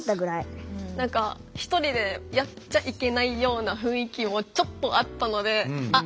何か１人でやっちゃいけないような雰囲気もちょっとあったのであっ